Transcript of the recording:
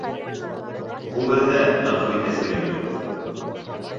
Ғүмерҙә ғәфү итәсәгем юҡ!